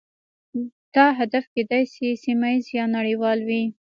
دا هدف کیدای شي سیمه ایز یا نړیوال وي